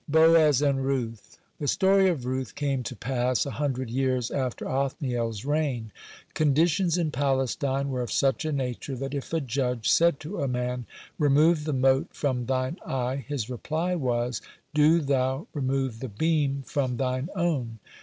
(30) BOAZ AND RUTH The story of Ruth came to pass a hundred (31) years after Othniel's reign. Conditions in Palestine were of such a nature that if a judge said to a man, "Remove the mote from thine eye," his reply was, "Do thou remove the beam from thine own."